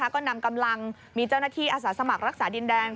ก็นำกำลังมีเจ้าหน้าที่อาสาสมัครรักษาดินแดน